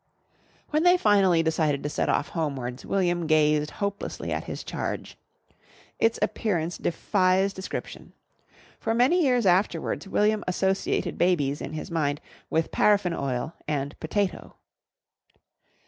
When they finally decided to set off homewards, William gazed hopelessly at his charge. Its appearance defies description. For many years afterwards William associated babies in his mind with paraffin oil and potato.